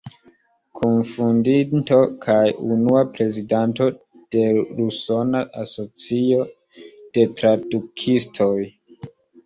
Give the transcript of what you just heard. Kunfondinto kaj unua prezidanto de l' Usona Asocio de Tradukistoj.